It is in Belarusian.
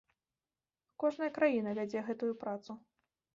Кожная краіна вядзе гэтую працу.